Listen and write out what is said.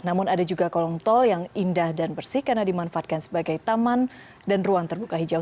namun ada juga kolong tol yang indah dan bersih karena dimanfaatkan sebagai taman dan ruang terbuka hijau